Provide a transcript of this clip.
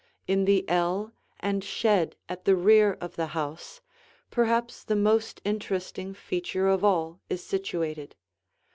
In the ell and shed at the rear of the house, perhaps the most interesting feature of all is situated.